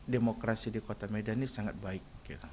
demokrasi di kota medan ini sangat baik